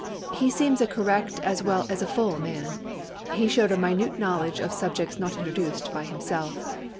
He seems a correct as well as a full man. He showed a minute knowledge of subjects not introduced by himself."